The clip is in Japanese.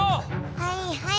はいはい。